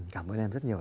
cảm ơn em rất nhiều